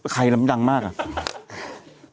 ใครดังมากอะ